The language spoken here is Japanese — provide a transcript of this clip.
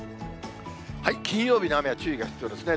金曜日の雨は注意が必要ですね。